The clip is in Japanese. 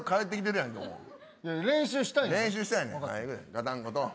ガタンゴトン。